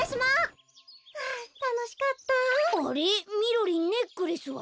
みろりんネックレスは？